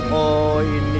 ini baru baru ini